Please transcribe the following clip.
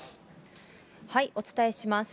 お伝えします。